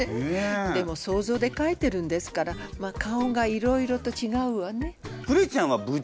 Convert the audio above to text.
でも想像でかいてるんですからまあ顔がいろいろとちがうわね。